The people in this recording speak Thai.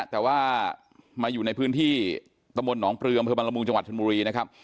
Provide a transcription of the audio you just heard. แต่ว่ามาอยู่ในพื้นที่ตะบนหนองปลืออำเภอบังละมุงจังหวัดชนบุรีนะครับ